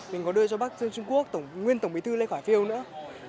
mình có đưa cho bác sơn trung quốc nguyên tổng bí thư lê khỏe phiêu nữa